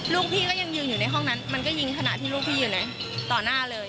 ลูกพี่ก็ยังยืนอยู่ในห้องนั้นมันก็ยิงขณะที่ลูกพี่อยู่ไหนต่อหน้าเลย